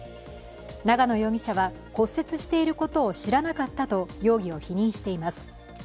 長野容疑者は、骨折していることを知らなかったと容疑を否認しています。